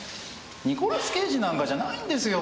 ニコラス・ケイジなんかじゃないんですよ。